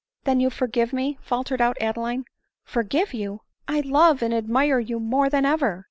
" Then you forgive me ?" faltered out Adeline. " Forgive you ! I love and admire you more than ever